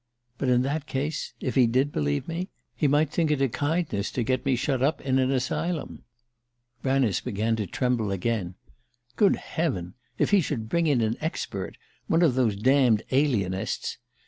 But in that case if he did believe me he might think it a kindness to get me shut up in an asylum..." Granice began to tremble again. "Good heaven! If he should bring in an expert one of those damned alienists!